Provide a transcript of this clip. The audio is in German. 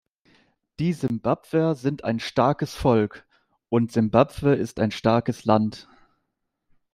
Die Simbabwer sind ein starkes Volk, und Simbabwe ist ein starkes Land.